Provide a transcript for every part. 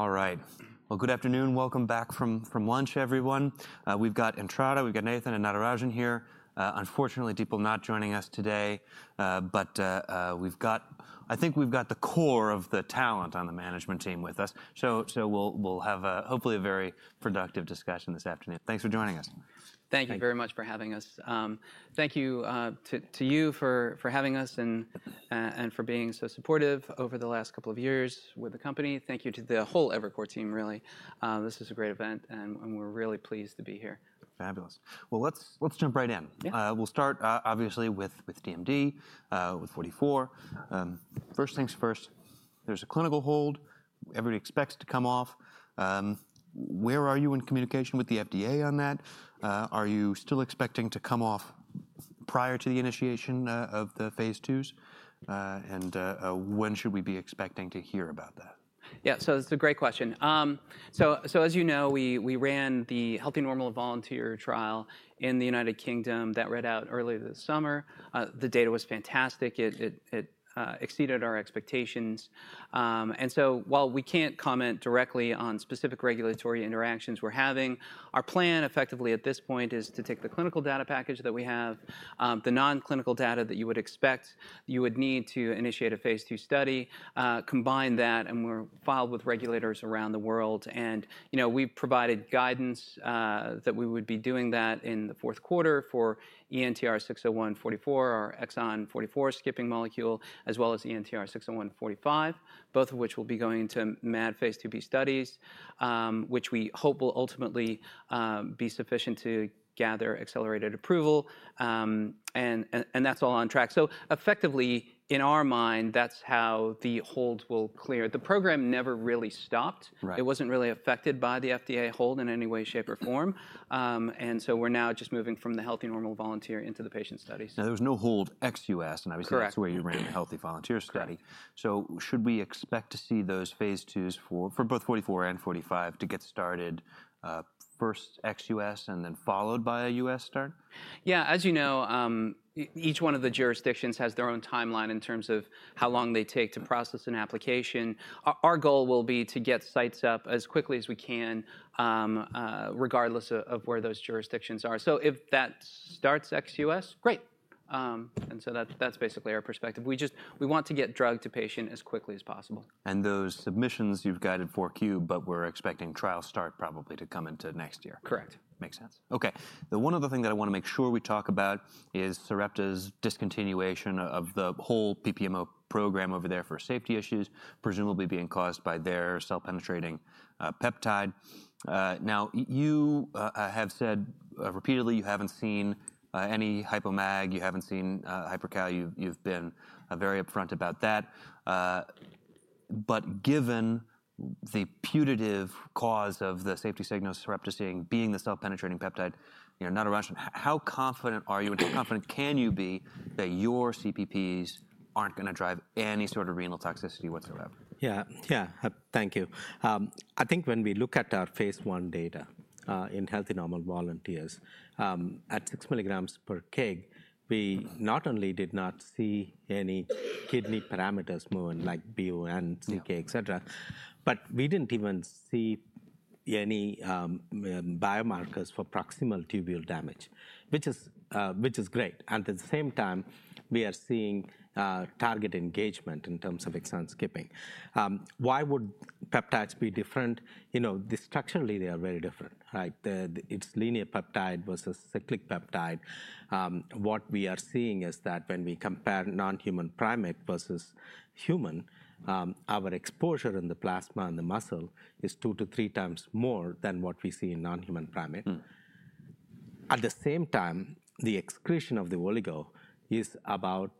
All right. Well, good afternoon. Welcome back from lunch, everyone. We've got Entrada, we've got Nathan and Natarajan here. Unfortunately, Dipal not joining us today, but we've got, I think we've got the core of the talent on the management team with us. So we'll have a, hopefully, a very productive discussion this afternoon. Thanks for joining us. Thank you very much for having us. Thank you to you for having us and for being so supportive over the last couple of years with the company. Thank you to the whole Evercore team, really. This is a great event, and we're really pleased to be here. Fabulous. Well, let's jump right in. We'll start, obviously, with DMD, with 44. First things first, there's a clinical hold. Everybody expects to come off. Where are you in communication with the FDA on that? Are you still expecting to come off prior to the initiation of the phase 2s? And when should we be expecting to hear about that? Yeah, so that's a great question. So, as you know, we ran the Healthy Normal Volunteer trial in the United Kingdom that read out early this summer. The data was fantastic. It exceeded our expectations. And so, while we can't comment directly on specific regulatory interactions we're having, our plan, effectively, at this point, is to take the clinical data package that we have, the non-clinical data that you would expect, you would need to initiate a phase 2 study, combine that, and file with regulators around the world. And we've provided guidance that we would be doing that in the fourth quarter for ENTR-601-44, our Exon 44 skipping molecule, as well as ENTR-601-45, both of which will be going to MAD phase 2b studies, which we hope will ultimately be sufficient to gather accelerated approval. And that's all on track. So, effectively, in our mind, that's how the hold will clear. The program never really stopped. It wasn't really affected by the FDA hold in any way, shape, or form. And so we're now just moving from the Healthy Normal Volunteer into the patient studies. Now, there was no hold ex-U.S., and obviously, that's where you ran the Healthy Volunteer study. So should we expect to see those phase 2s for both 44 and 45 to get started first ex-U.S. and then followed by a U.S. start? Yeah, as you know, each one of the jurisdictions has their own timeline in terms of how long they take to process an application. Our goal will be to get sites up as quickly as we can, regardless of where those jurisdictions are. So if that starts ex-U.S., great, and so that's basically our perspective. We just, we want to get drug to patient as quickly as possible. And those submissions, you've guided for Q, but we're expecting trial start probably to come into next year. Correct. Makes sense. Okay. The one other thing that I want to make sure we talk about is Sarepta's discontinuation of the whole PPMO program over there for safety issues, presumably being caused by their cell-penetrating peptide. Now, you have said repeatedly you haven't seen any hypomag, you haven't seen hypercal. You've been very upfront about that. But given the putative cause of the safety signals Sarepta seeing being the cell-penetrating peptide, Natarajan, how confident are you, and how confident can you be that your CPPs aren't going to drive any sort of renal toxicity whatsoever? Yeah, yeah, thank you. I think when we look at our phase 1 data in Healthy Normal Volunteers, at 6 milligrams per kg, we not only did not see any kidney parameters moving like BUN, CK, et cetera, but we didn't even see any biomarkers for proximal tubule damage, which is great. At the same time, we are seeing target engagement in terms of exon skipping. Why would peptides be different? You know, structurally, they are very different, right? It's linear peptide versus cyclic peptide. What we are seeing is that when we compare non-human primate versus human, our exposure in the plasma and the muscle is two to three times more than what we see in non-human primate. At the same time, the excretion of the oligo is about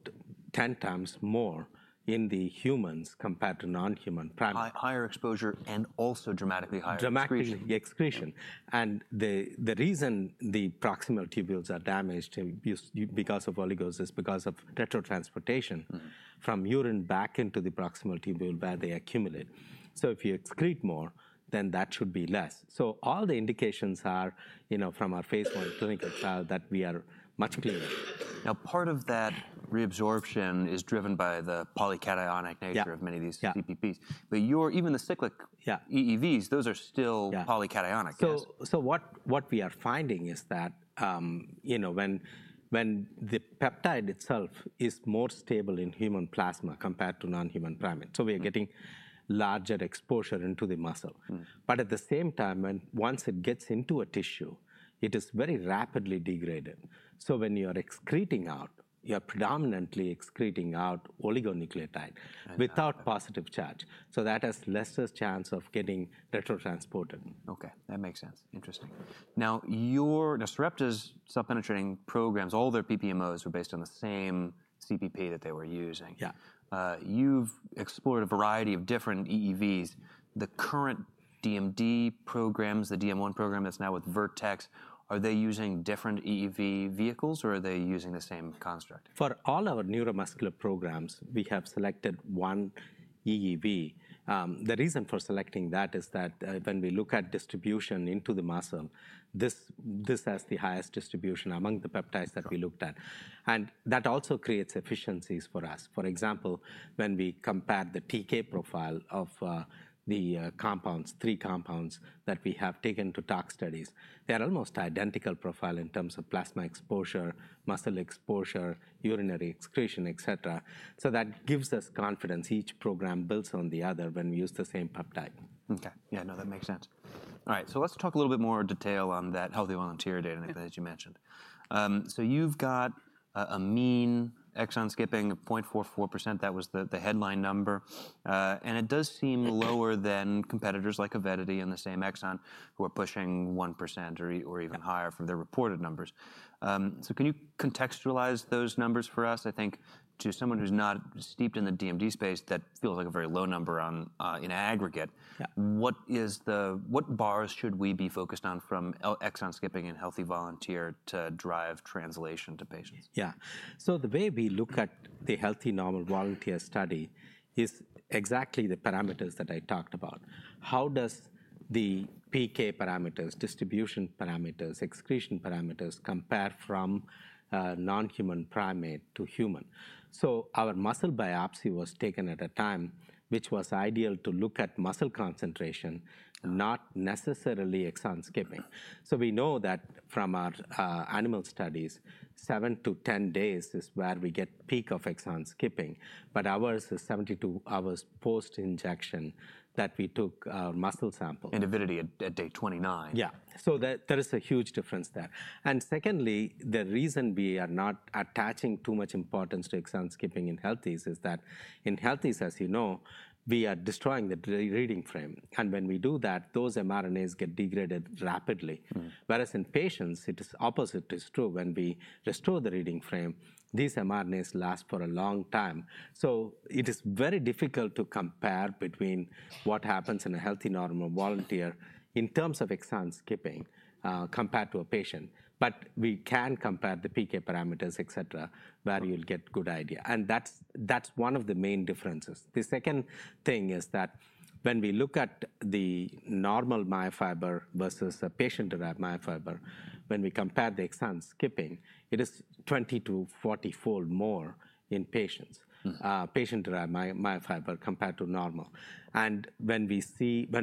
10 times more in the humans compared to non-human primate. Higher exposure and also dramatically higher excretion. Dramatic excretion. And the reason the proximal tubules are damaged because of oligos is because of retransportation from urine back into the proximal tubule where they accumulate. So if you excrete more, then that should be less. So all the indications are from our phase 1 clinical trial that we are much cleaner. Now, part of that reabsorption is driven by the polycationic nature of many of these CPPs. But even the cyclic EEVs, those are still polycationic. What we are finding is that when the peptide itself is more stable in human plasma compared to non-human primate. We are getting larger exposure into the muscle. At the same time, once it gets into a tissue, it is very rapidly degraded. When you are excreting out, you are predominantly excreting out oligonucleotide without positive charge. That has lesser chance of getting retransported. Okay, that makes sense. Interesting. Now, your Sarepta's cell-penetrating programs, all their PPMOs were based on the same CPP that they were using. You've explored a variety of different EEVs. The current DMD programs, the DM1 program that's now with Vertex, are they using different EEV vehicles, or are they using the same construct? For all our neuromuscular programs, we have selected one EEV. The reason for selecting that is that when we look at distribution into the muscle, this has the highest distribution among the peptides that we looked at. And that also creates efficiencies for us. For example, when we compare the TK profile of the compounds, three compounds that we have taken to tox studies, they are almost identical profile in terms of plasma exposure, muscle exposure, urinary excretion, et cetera. So that gives us confidence each program builds on the other when we use the same peptide. Okay. Yeah, no, that makes sense. All right, so let's talk a little bit more detail on that Healthy Volunteer data that you mentioned. So you've got a mean exon skipping of 0.44%. That was the headline number. And it does seem lower than competitors like Avidity and Sarepta who are pushing 1% or even higher from their reported numbers. So can you contextualize those numbers for us? I think to someone who's not steeped in the DMD space, that feels like a very low number in aggregate. What bars should we be focused on from exon skipping and Healthy Volunteer to drive translation to patients? Yeah. So the way we look at the Healthy Normal Volunteer study is exactly the parameters that I talked about. How does the PK parameters, distribution parameters, excretion parameters compare from non-human primate to human? So our muscle biopsy was taken at a time which was ideal to look at muscle concentration, not necessarily exon skipping. So we know that from our animal studies, seven to 10 days is where we get peak of exon skipping. But ours is 72 hours post-injection that we took our muscle sample. Avidity at day 29. Yeah. So there is a huge difference there. And secondly, the reason we are not attaching too much importance to exon skipping in healthies is that in healthies, as you know, we are destroying the reading frame. And when we do that, those mRNAs get degraded rapidly. Whereas in patients, the opposite is true. When we restore the reading frame, these mRNAs last for a long time. So it is very difficult to compare between what happens in a Healthy Normal Volunteer in terms of exon skipping compared to a patient. But we can compare the PK parameters, et cetera, where you'll get a good idea. And that's one of the main differences. The second thing is that when we look at the normal myofiber versus a patient-derived myofiber, when we compare the exon skipping, it is 20 to 40-fold more in patients, patient-derived myofiber compared to normal. When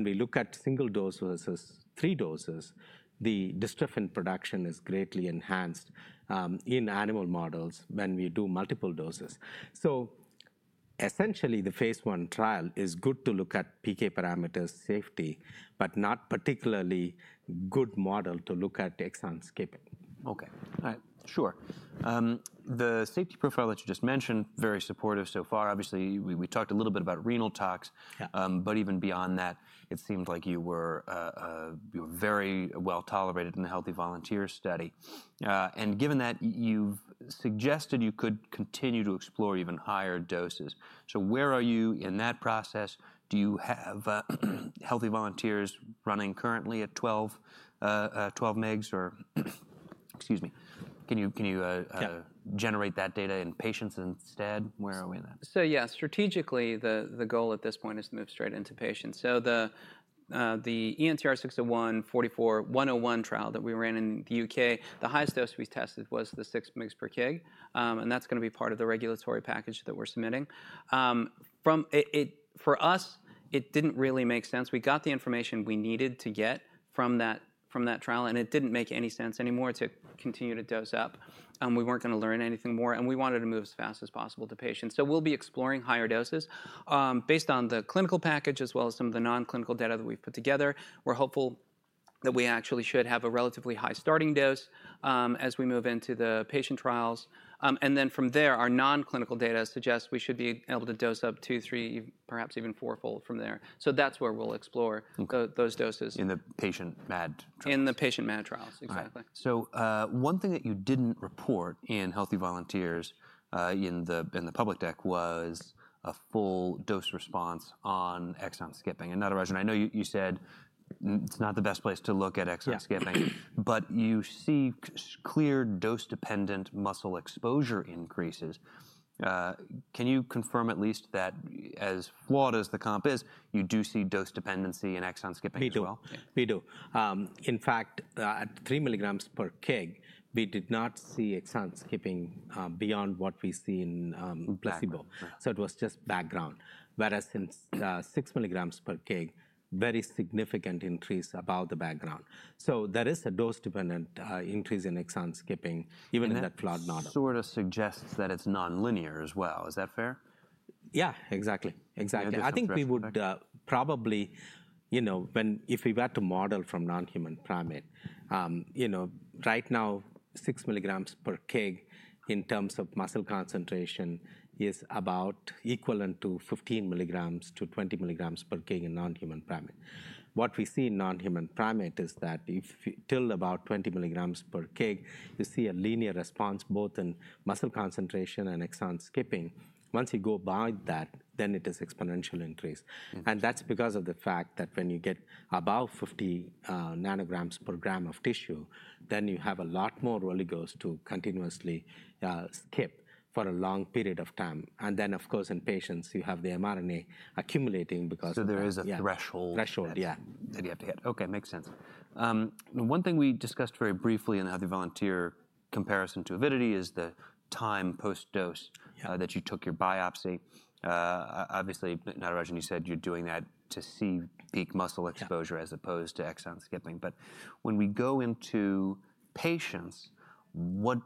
we look at single dose versus three doses, the dystrophin production is greatly enhanced in animal models when we do multiple doses. Essentially, the phase one trial is good to look at PK parameters, safety, but not particularly good model to look at exon skipping. Okay. All right, sure. The safety profile that you just mentioned, very supportive so far. Obviously, we talked a little bit about renal tox, but even beyond that, it seemed like you were very well tolerated in the Healthy Volunteer study. And given that, you've suggested you could continue to explore even higher doses. So where are you in that process? Do you have Healthy Volunteers running currently at 12 mg or, excuse me, can you generate that data in patients instead? Where are we in that? Yeah, strategically, the goal at this point is to move straight into patients. The ENTR-601-44-101 trial that we ran in the U.K., the highest dose we tested was the six mg/kg. That's going to be part of the regulatory package that we're submitting. For us, it didn't really make sense. We got the information we needed to get from that trial, and it didn't make any sense anymore to continue to dose up. We weren't going to learn anything more. We wanted to move as fast as possible to patients. We'll be exploring higher doses. Based on the clinical package, as well as some of the non-clinical data that we've put together, we're hopeful that we actually should have a relatively high starting dose as we move into the patient trials. And then from there, our non-clinical data suggests we should be able to dose up two, three, perhaps even four-fold from there. So that's where we'll explore those doses. In the patient MAD trials. In the patient MAD trials, exactly. One thing that you didn't report in healthy volunteers in the public deck was a full dose-response on exon skipping. And Natarajan, I know you said it's not the best place to look at exon skipping, but you see clear dose-dependent muscle exposure increases. Can you confirm at least that as flawed as the comp is, you do see dose dependency in exon skipping as well? We do. In fact, at 3 milligrams per kg, we did not see exon skipping beyond what we see in placebo. So it was just background. Whereas in 6 milligrams per kg, very significant increase above the background. So there is a dose-dependent increase in exon skipping, even in that flawed model. Sort of suggests that it's non-linear as well. Is that fair? Yeah, exactly. Exactly. I think we would probably, you know, if we were to model from non-human primate, right now, 6 milligrams per kg in terms of muscle concentration is about equivalent to 15 milligrams to 20 milligrams per kg in non-human primate. What we see in non-human primate is that till about 20 milligrams per kg, you see a linear response both in muscle concentration and exon skipping. Once you go by that, then it is exponential increase. And that's because of the fact that when you get above 50 nanograms per gram of tissue, then you have a lot more oligos to continuously skip for a long period of time. And then, of course, in patients, you have the mRNA accumulating because of that. There is a threshold. Threshold, yeah. That you have to hit. Okay, makes sense. One thing we discussed very briefly in the Healthy Volunteer comparison to Avidity is the time post-dose that you took your biopsy. Obviously, Natarajan, you said you're doing that to see peak muscle exposure as opposed to exon skipping. But when we go into patients, when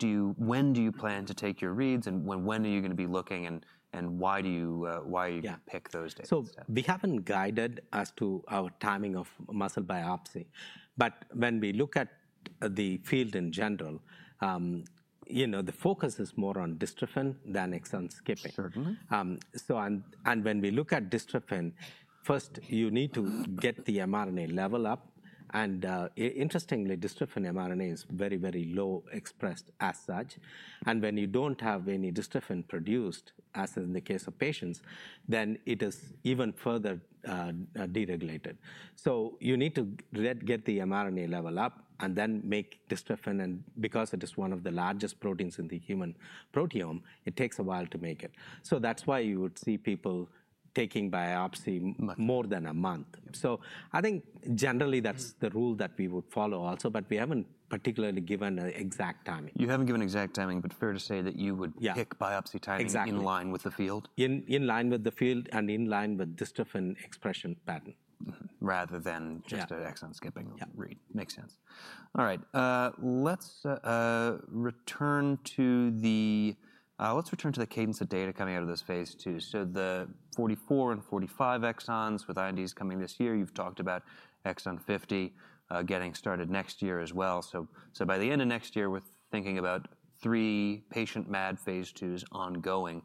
do you plan to take your reads and when are you going to be looking and why do you pick those dates? So we haven't guided as to our timing of muscle biopsy. But when we look at the field in general, the focus is more on dystrophin than exon skipping. Certainly. So when we look at dystrophin, first, you need to get the mRNA level up. And interestingly, dystrophin mRNA is very, very low expressed as such. And when you don't have any dystrophin produced, as in the case of patients, then it is even further deregulated. So you need to get the mRNA level up and then make dystrophin. And because it is one of the largest proteins in the human proteome, it takes a while to make it. So that's why you would see people taking biopsy more than a month. So I think generally that's the rule that we would follow also, but we haven't particularly given an exact timing. You haven't given an exact timing, but fair to say that you would pick biopsy timing in line with the field? In line with the field and in line with dystrophin expression pattern. Rather than just an exon skipping read. Makes sense. All right, let's return to the cadence of data coming out of this phase 2. So the 44 and 45 exons with INDs coming this year, you've talked about exon 50 getting started next year as well. So by the end of next year, we're thinking about three patient MAD phase 2s ongoing.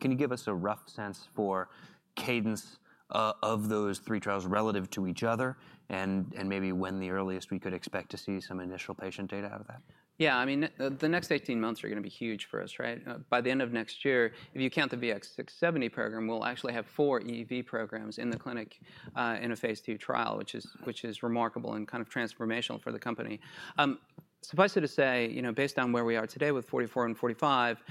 Can you give us a rough sense for cadence of those three trials relative to each other and maybe when the earliest we could expect to see some initial patient data out of that? Yeah, I mean, the next 18 months are going to be huge for us, right? By the end of next year, if you count the VX-670 program, we'll actually have four EEV programs in the clinic in a phase two trial, which is remarkable and kind of transformational for the company. Suffice it to say, based on where we are today with 44 and 45,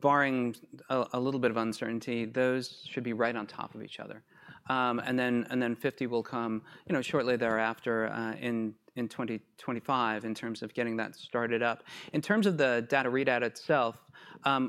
barring a little bit of uncertainty, those should be right on top of each other. And then 50 will come shortly thereafter in 2025 in terms of getting that started up. In terms of the data readout itself,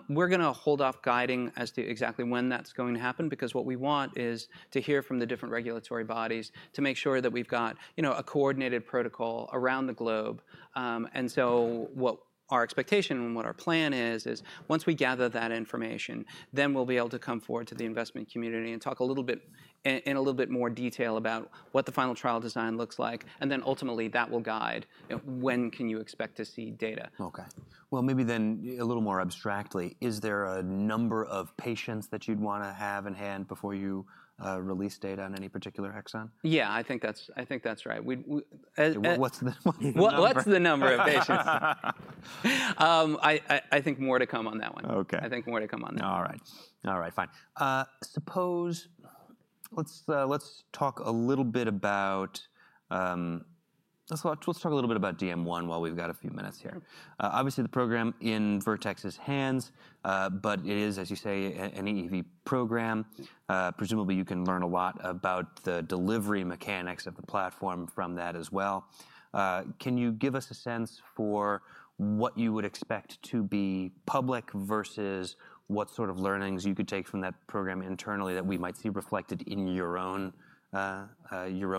we're going to hold off guiding as to exactly when that's going to happen because what we want is to hear from the different regulatory bodies to make sure that we've got a coordinated protocol around the globe. And so what our expectation and what our plan is once we gather that information, then we'll be able to come forward to the investment community and talk a little bit more in detail about what the final trial design looks like. And then ultimately, that will guide when you can expect to see data. Okay. Maybe then, a little more abstractly, is there a number of patients that you'd want to have in hand before you release data on any particular exon? Yeah, I think that's right. What's the number of patients? I think more to come on that one. Okay. I think more to come on that one. All right. All right, fine. Let's talk a little bit about DM1 while we've got a few minutes here. Obviously, the program in Vertex's hands, but it is, as you say, an EEV program. Presumably, you can learn a lot about the delivery mechanics of the platform from that as well. Can you give us a sense for what you would expect to be public versus what sort of learnings you could take from that program internally that we might see reflected in your own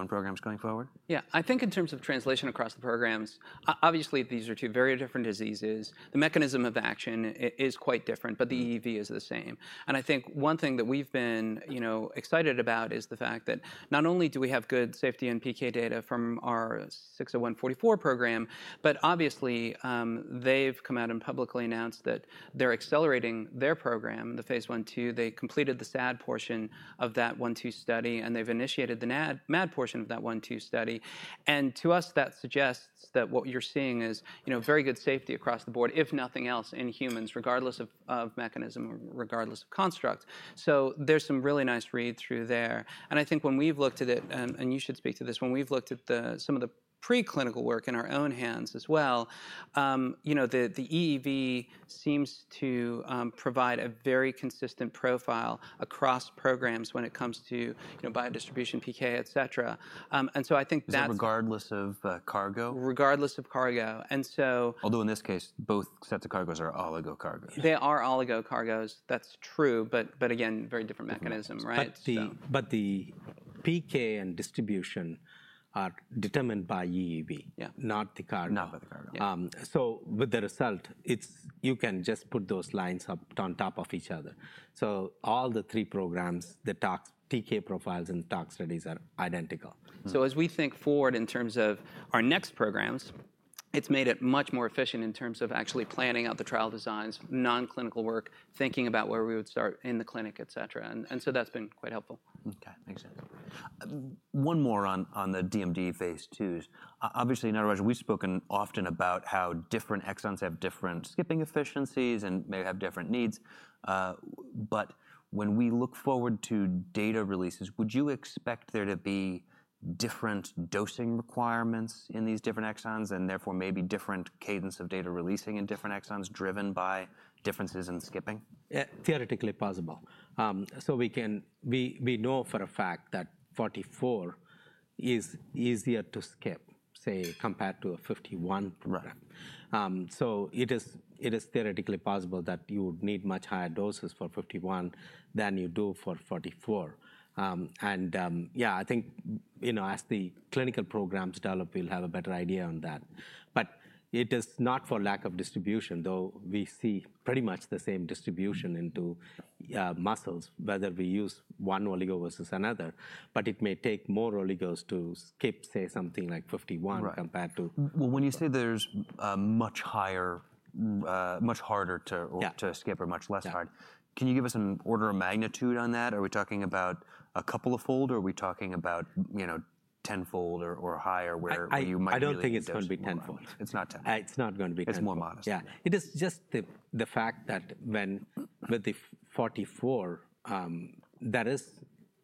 programs going forward? Yeah, I think in terms of translation across the programs, obviously, these are two very different diseases. The mechanism of action is quite different, but the EEV is the same. And I think one thing that we've been excited about is the fact that not only do we have good safety and PK data from our 60144 program, but obviously, they've come out and publicly announced that they're accelerating their program, the Phase 1/2. They completed the SAD portion of that 1/2 study, and they've initiated the MAD portion of that 1/2 study. And to us, that suggests that what you're seeing is very good safety across the board, if nothing else, in humans, regardless of mechanism, regardless of construct. So there's some really nice read through there. And I think when we've looked at it, and you should speak to this, when we've looked at some of the preclinical work in our own hands as well, the EEV seems to provide a very consistent profile across programs when it comes to biodistribution, PK, et cetera. And so I think that's. Regardless of cargo? Regardless of cargo. And so. Although in this case, both sets of cargoes are oligo cargoes. They are oligo cargoes. That's true. But again, very different mechanism, right? But the PK and distribution are determined by EEV, not the cargo. Not by the cargo. So with the result, you can just put those lines up on top of each other. So all the three programs, the TK profiles and the tox studies are identical. So as we think forward in terms of our next programs, it's made it much more efficient in terms of actually planning out the trial designs, non-clinical work, thinking about where we would start in the clinic, et cetera. And so that's been quite helpful. Okay, makes sense. One more on the DMD phase 2s. Obviously, Natarajan, we've spoken often about how different exons have different skipping efficiencies and may have different needs. But when we look forward to data releases, would you expect there to be different dosing requirements in these different exons and therefore maybe different cadence of data releasing in different exons driven by differences in skipping? Theoretically possible. So we know for a fact that 44 is easier to skip, say, compared to a 51 product. So it is theoretically possible that you would need much higher doses for 51 than you do for 44. And yeah, I think as the clinical programs develop, we'll have a better idea on that. But it is not for lack of distribution, though we see pretty much the same distribution into muscles, whether we use one oligo versus another. But it may take more oligos to skip, say, something like 51 compared to. When you say there's much harder to skip or much less hard, can you give us an order of magnitude on that? Are we talking about a couple of fold or are we talking about 10 fold or higher where you might be? I don't think it's going to be 10-fold. It's not 10. It's not going to be 10. It's more modest. Yeah. It is just the fact that with the 44, there is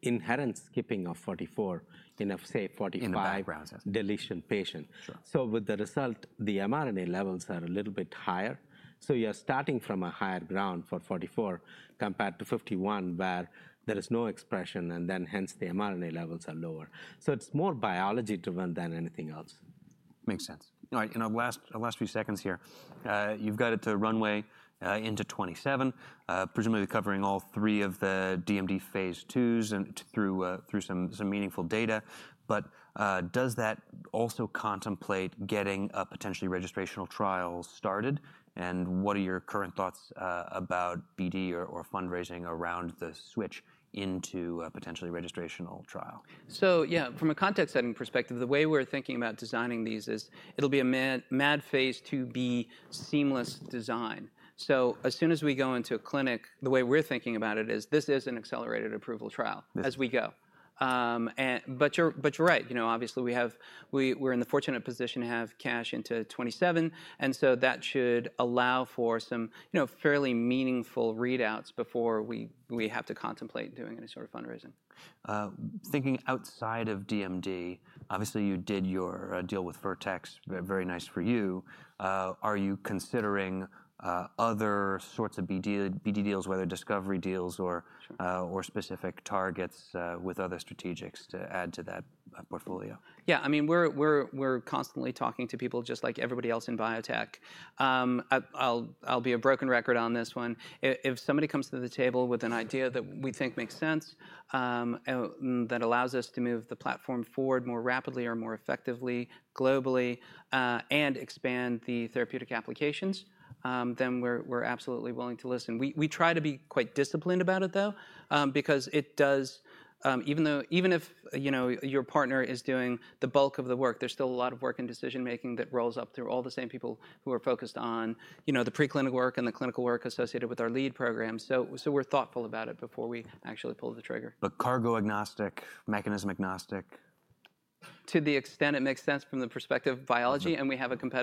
inherent skipping of 44 in a, say, 45 deletion patient. So with the result, the mRNA levels are a little bit higher. So you're starting from a higher ground for 44 compared to 51 where there is no expression and then hence the mRNA levels are lower. So it's more biology driven than anything else. Makes sense. All right, in our last few seconds here, you've got it to runway into 2027, presumably covering all three of the DMD phase 2s through some meaningful data. But does that also contemplate getting a potentially registrational trial started? And what are your current thoughts about BD or fundraising around the switch into a potentially registrational trial? So yeah, from a context setting perspective, the way we're thinking about designing these is it'll be a MAD phase 2b seamless design. So as soon as we go into a clinic, the way we're thinking about it is this is an accelerated approval trial as we go. But you're right. Obviously, we're in the fortunate position to have cash into 2027. And so that should allow for some fairly meaningful readouts before we have to contemplate doing any sort of fundraising. Thinking outside of DMD, obviously you did your deal with Vertex, very nice for you. Are you considering other sorts of BD deals, whether discovery deals or specific targets with other strategics to add to that portfolio? Yeah, I mean, we're constantly talking to people just like everybody else in biotech. I'll be a broken record on this one. If somebody comes to the table with an idea that we think makes sense and that allows us to move the platform forward more rapidly or more effectively globally and expand the therapeutic applications, then we're absolutely willing to listen. We try to be quite disciplined about it, though, because it does, even if your partner is doing the bulk of the work, there's still a lot of work and decision making that rolls up through all the same people who are focused on the preclinical work and the clinical work associated with our lead program. So we're thoughtful about it before we actually pull the trigger. But cargo agnostic, mechanism agnostic? To the extent it makes sense from the perspective of biology, and we have a control.